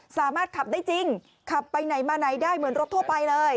สามารถขับได้จริงขับไปไหนมาไหนได้เหมือนรถทั่วไปเลย